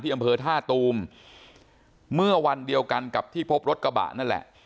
อำเภอท่าตูมเมื่อวันเดียวกันกับที่พบรถกระบะนั่นแหละ